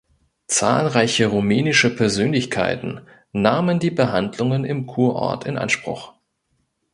Zahlreiche rumänische Persönlichkeiten nahmen die Behandlungen im Kurort in Anspruch.